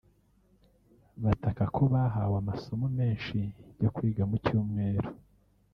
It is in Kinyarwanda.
bataka ko bahawe amasomo menshi yo kwiga mu cyumweru